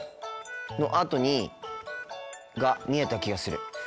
のあとにが見えた気がする。